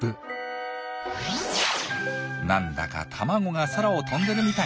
なんだか卵が空を飛んでるみたい。